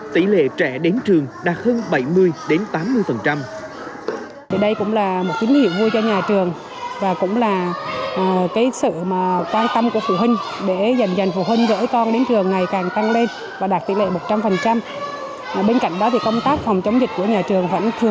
tỷ lệ trẻ đến trường đạt hơn bảy mươi tám